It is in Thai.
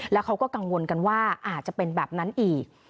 แล้วเขาก็กังวลกันว่าอาจจะเป็นแบบนั้นอีก